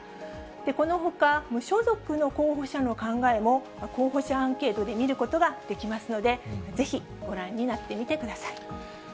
このほか、無所属の候補者の考えも、候補者アンケートで見ることはできますので、ぜひご覧になってみてください。